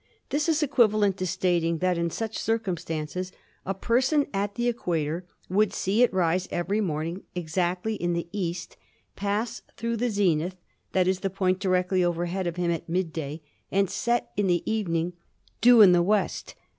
This is equiva lent to stating that, in such circumstances, a person at the equator would see it rise each morning exactly in the east, pass through the zenith — that is, the point directly over head of him at midday — and set in the evening due in the west.